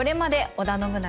織田信長